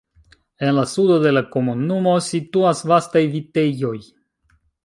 En la sudo de la komunumo situas vastaj vitejoj.